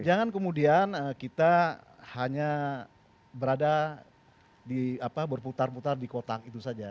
jangan kemudian kita hanya berada di berputar putar di kotak itu saja